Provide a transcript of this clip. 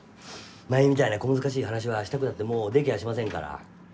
前みたいな小難しい話はしたくたってもうできやしませんから。